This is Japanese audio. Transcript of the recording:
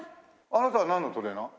あなたはなんのトレーナー？